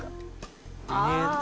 ああ。